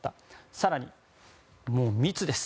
更に、もう密です。